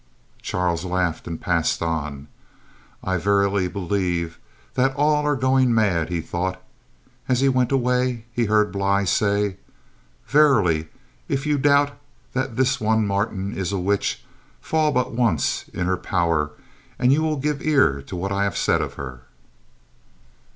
Charles laughed and passed on. "I verily believe that all are going mad," he thought. As he went away, he heard Bly say: "Verily, if you doubt that this one Martin is a witch, fall but once in her power, and you will give ear to what I have said of her."